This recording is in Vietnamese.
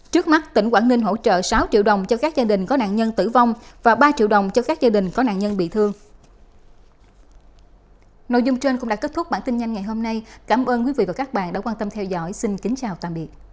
trước mắt tỉnh quảng ninh hỗ trợ sáu triệu đồng cho các gia đình có nạn nhân tử vong và ba triệu đồng cho các gia đình có nạn nhân bị thương